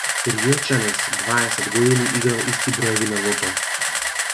Риечанeц дваесет години играл исти броеви на лото